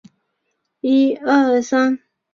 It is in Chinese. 国家公园管理局也配备了一定数量的救生艇。